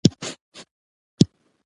دغه سفر کې ملګري نه شول.